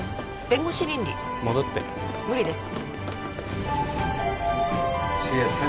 弁護士倫理戻って無理です